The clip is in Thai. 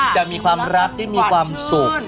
จะมีความรักที่มีความสุข